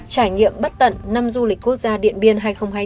trải nghiệm bất tận năm du lịch quốc gia điện biên hai nghìn hai mươi bốn